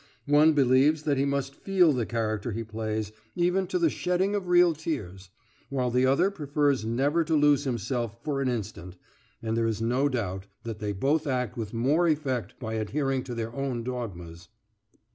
One believes that he must feel the character he plays, even to the shedding of real tears, while the other prefers never to lose himself for an instant, and there is no doubt that they both act with more effect by adhering to their own dogmas.